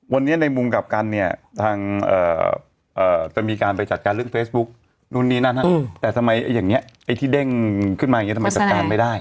วันนี้ในมุมกลับกันเนี่ยทางจะมีการไปจัดการเรื่องเฟซบุ๊กนู่นนี่นั่นแต่ทำไมอย่างนี้ไอ้ที่เด้งขึ้นมาอย่างนี้ทำไมจัดการไม่ได้